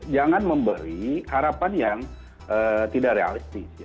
jangan memberi harapan yang tidak realistis